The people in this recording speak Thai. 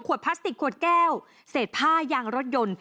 พลาสติกขวดแก้วเศษผ้ายางรถยนต์